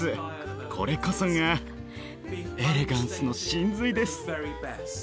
これこそがエレガンスの神髄です。